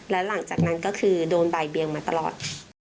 แล้วหลังจากนั้นก็คือโดนบ่ายเบียงมาตลอด